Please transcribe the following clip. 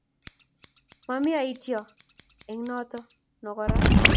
Mami aityo eng noto no kora